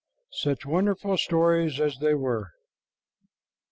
Such wonderful stories as they were!